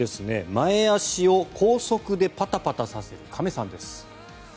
前足を高速でパタパタさせる亀さんです。